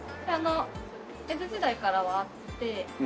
江戸時代からはあって。